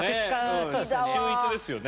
秀逸ですよね。